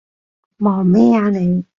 望咩啊你？